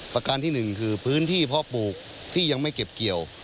ประการที่หนึ่งคือพื้นที่เพาะปลูกที่ยังไม่เก็บเกี่ยว